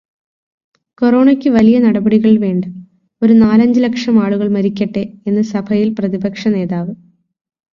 കൊറോണയ്ക്ക് വലിയ നടപടികൾ വേണ്ട, ഒരു നാലഞ്ച് ലക്ഷം ആളുകൾ മരിക്കട്ടെ, എന്ന് സഭയിൽ പ്രതിപക്ഷ നേതാവ്